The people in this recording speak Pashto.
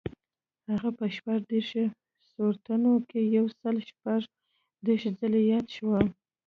هغه په شپږ دېرش سورتونو کې یو سل شپږ دېرش ځلي یاد شوی.